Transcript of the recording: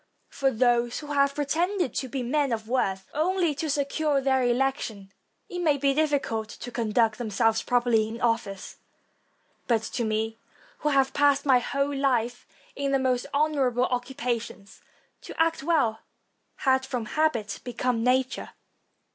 For those who have pretended to be men of worth only to secure their election, it may be difficult to conduct themselves properly in office; but to me, who have passed my whole life in the most honorable occupations, to act well had from habit become nature.